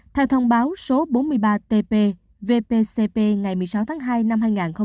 theo thông báo số bốn mươi ba tb vpcp ngày một mươi sáu tháng hai năm hai nghìn hai mươi